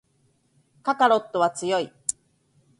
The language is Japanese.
カカロットは強い